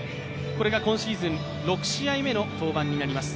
これが今シーズン６試合目の登板になります。